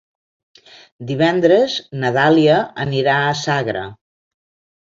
Divendres na Dàlia anirà a Sagra.